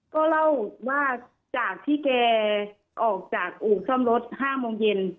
ก็เล่าว่าจากที่แกออกจากอู่ซ่อมรถ๕โมงเย็น